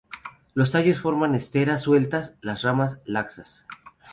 Los tallos forman esteras sueltas; las ramas laxas.